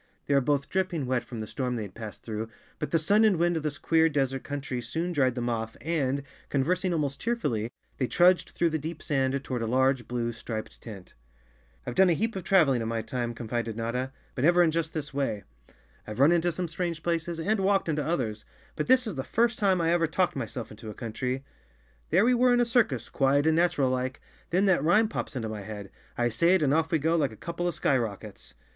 They were both dripping wet from the storm they had passed through, but the sun and wind of this queer des¬ ert country soon dried them off and, conversing almost cheerfully, they trudged through the deep sand toward a large blue, striped tent. "I've done a heap of traveling in my time," confided Notta, "but never in just this way. I've run into some strange places and walked into others; but this is the first time I ever talked myself into a country. There we were in a circus, quiet and natural like, then that rhyme pops into my head. I say it and off we go like a couple of skyrockets.